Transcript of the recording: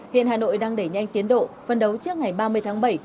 hiện hà nội đang đẩy nhanh tiến độ phân đấu trước ngày ba mươi tháng bảy